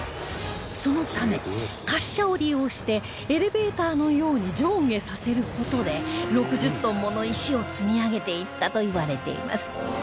そのため滑車を利用してエレベーターのように上下させる事で６０トンもの石を積み上げていったといわれています